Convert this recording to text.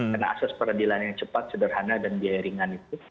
karena asas peradilan yang cepat sederhana dan biaya ringan itu